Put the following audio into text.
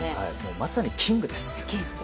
まさにキングです！